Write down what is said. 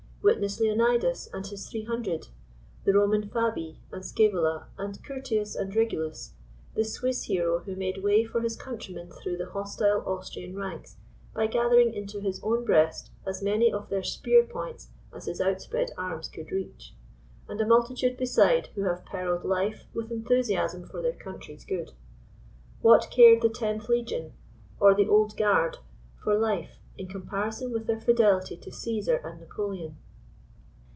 Witness Leonidas and his three hundred, the Roman Fabii and Scaevola and Cprtius and Regulus, the Swiss hero who made way for his countrymen through the hos tile Austrian ranks by gathering into his own breast as many of their spear points as his outspread arms could reach, and a mul titude beside who have perilled life with enthusiasm fortheir coun try's good. What cared the * Tenth Legion' or the * Old Guard' for life in comparison with their fidelity to Cesar and Napoleon?